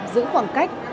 giữ khoảng cách